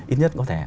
ít nhất có thể